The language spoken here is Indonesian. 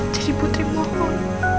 jadi putri mohon